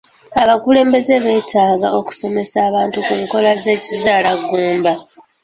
Abakulembeze beetaaga okusomesa abantu ku nkola z'ekizaala ggumba.